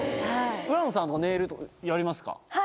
浦野さんとかネイルやりますか？